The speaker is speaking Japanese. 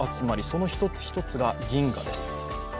その１つ１つが銀河です。